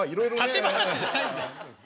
立ち話じゃないんだよ！